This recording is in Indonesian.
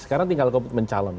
sekarang tinggal komitmen calon